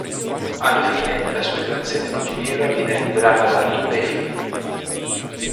Alla fine, la sua relazione con Ginevra viene rivelata ad Artù dai figli.